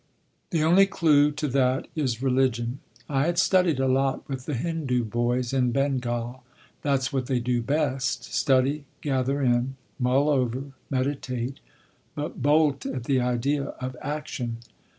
"The only clue to that is religion. I had studied a lot with the Hindu boys in Bengal. That’s what they do best—study, gather in, mull over, meditate, but bolt at the idea of action.